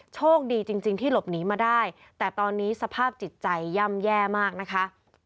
โชคดีจริงที่หลบหนีมาได้แต่ตอนนี้สภาพจิตใจย่ำแย่มากนะคะ